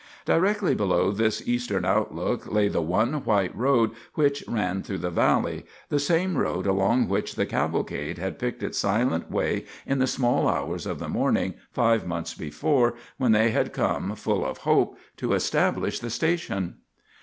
Directly below this eastern outlook lay the one white road which ran through the valley, the same road along which the cavalcade had picked its silent way in the small hours of the morning, five months before, when they had come, full of hope, to establish the station.